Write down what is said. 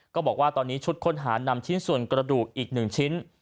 บอกว่าตอนนี้ชุดค้นหานำชิ้นส่วนกระดูกอีก๑ชิ้น